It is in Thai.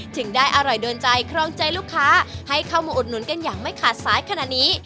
ถึงได้อร่อยโดนใจครองใจลูกค้าให้เข้ามาอุดหนุนกันอย่างไม่ขาดสายขนาดนี้